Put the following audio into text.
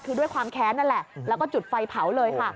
คือด้วยความแค้นนั่นแหละแล้วก็จุดไฟเผาเลยค่ะ